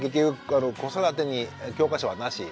子育てに教科書はなし。